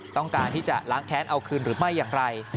ต้องการที่จะล้างแค้นเอาคืนหรือไม่อย่างไร